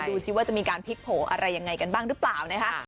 ดูสิว่าจะมีการพลิกโผล่อะไรยังไงกันบ้างหรือเปล่านะคะ